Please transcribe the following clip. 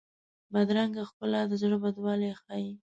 بدرنګه ښکلا د زړه بدوالی ښيي